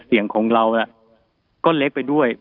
เสียงของเราก็เล็กไปด้วย